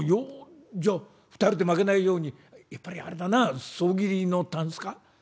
じゃあ２人で負けないようにやっぱりあれだな総桐のたんすか？」。